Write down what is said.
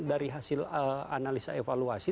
dari hasil analisa evaluasi